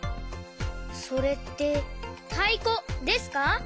それってたいこですか？